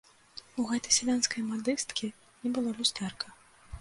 У гэтай сялянскай мадысткі не было люстэрка.